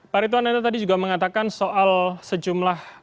pak ritwan anda tadi juga mengatakan soal sejumlah